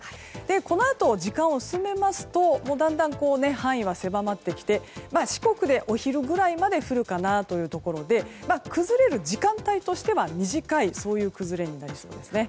このあと時間を進めますとだんだん範囲は狭まってきて四国でお昼ぐらいまで降るかなというところで崩れる時間帯としては短いそういう崩れになりそうです。